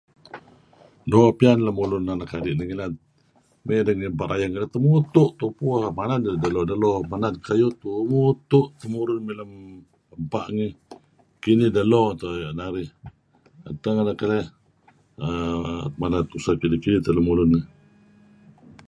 Doo' piyan lemulun anak adi' ngilad, mey deh ngi ebpa' rayeh malem, temutu' tupu, mana deh delo-delo. Menad kayuh temutu' temurun mey lem ebpa' ngih. Kinih delo neto' narih. Edteh ngilad keleh err [unintelligible] tuseh kidih-kidih teh lemulun.